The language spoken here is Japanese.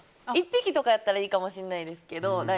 １匹とかやったらいいかもしれないですけど。